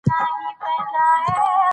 احمدشاه بابا د اصلاحاتو لاره غوره کړې وه.